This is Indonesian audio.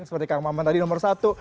seperti kang maman tadi nomor satu